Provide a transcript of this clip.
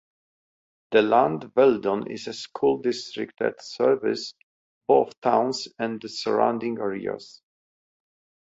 De Land-Weldon is a school district that services both towns and the surrounding areas.